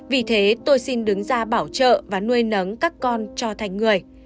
vì thế tôi xin đứng ra bảo trợ và nuôi nấng các con cho thành người